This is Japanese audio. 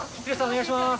お願いします。